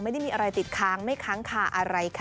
ไม่ได้มีอะไรติดค้างไม่ค้างคาอะไรค่ะ